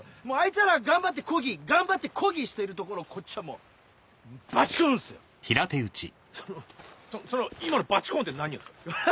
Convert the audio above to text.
もうあいつら頑張ってこぎ頑張ってこぎしているところをこっちはもうバチコンですよ。